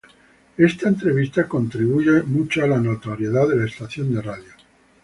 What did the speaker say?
Estas entrevistas contribuyen mucho a la notoriedad de la estación de radio.